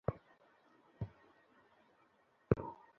Railway গুদাম অবৈধভাবে lease দেওয়ার বিষয়টি নিয়েও হয়তো একটি কমিটি হবে।